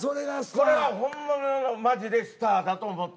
これが本物のマジでスターだと思った。